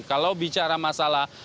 kalau bicara masalah